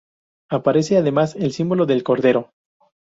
Aparece además el símbolo del cordero.